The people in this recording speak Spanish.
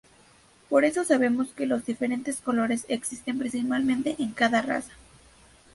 Por eso sabemos que los diferentes colores existen principalmente en cada raza.